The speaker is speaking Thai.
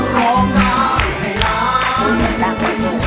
ได้ครับ